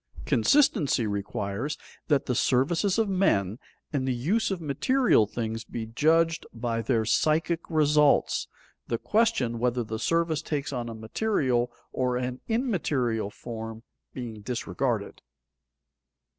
Consistency requires that the services of men and the use of material things be judged by their psychic results, the question whether the service takes on a material or an immaterial form being disregarded.